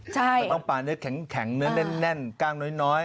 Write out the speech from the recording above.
ใช่ต้องปลาแข็งเนื้อแน่นกลางน้อย